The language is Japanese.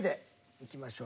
いきましょう。